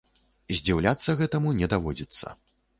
Здзіўляцца гэтаму не даводзіцца.